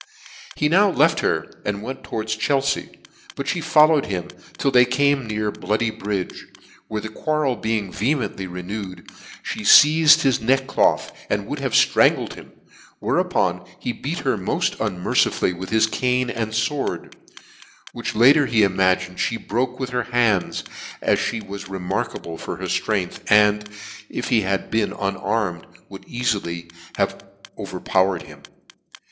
He now left her, and went, towards Chelfea: but (lie followed him :ill they came near Bloody Bridge, where the quarrel being^ehement ly renewed, me feized his neckcloth, and would have fhrangled him; whereupon he heat her moil unmercifully both with his cane and Iv/ord, which latter he imagined Ihe broke with her hands, as me was remarkable for her ftrength, and, if he had been unarmed, could have eaiiiy over powered him.